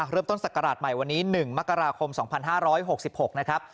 ศักราชใหม่วันนี้๑มกราคม๒๕๖๖นะครับ